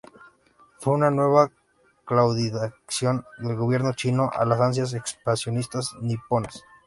Fue una nueva claudicación del Gobierno chino a las ansias expansionistas niponas.